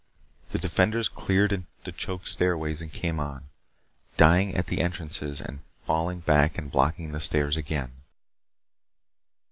The defenders cleared the choked stairways and came on dying at the entrances and falling back and blocking the stairs again.